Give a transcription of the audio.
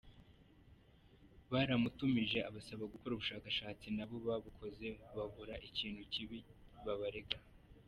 Baramutumije abasaba gukora ubushakashatsi, nabo babukoze babura ikintu kibi babarega.